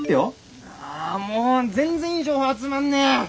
あもう全然いい情報集まんねえ！